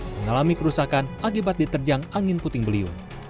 mengalami kerusakan akibat diterjang angin puting beliung